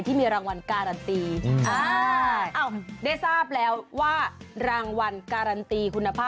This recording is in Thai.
เป็นปั้นสาระเปานานาชาติค่ะ